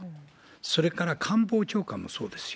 それから官房長官もそうですよ。